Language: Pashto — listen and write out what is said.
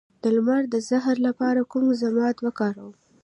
د لړم د زهر لپاره کوم ضماد وکاروم؟